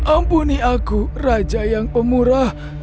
ampuni aku raja yang pemurah